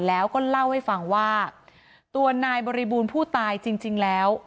แล้วก็เล่าให้ฟังว่าตัวนายบริบูรณ์ผู้ตายจริงแล้ว